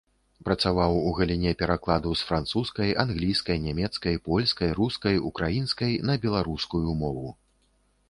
Працаваў у галіне перакладу з французскай, англійскай, нямецкай, польскай, рускай, украінскай на беларускую мову.